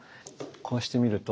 こうして見ると。